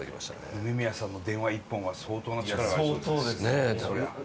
梅宮さんの電話一本は相当な力がありそうですね。